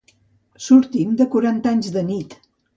Sortim de quaranta anys de nit.